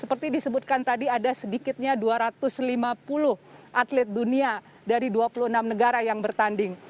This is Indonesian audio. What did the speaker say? seperti disebutkan tadi ada sedikitnya dua ratus lima puluh atlet dunia dari dua puluh enam negara yang bertanding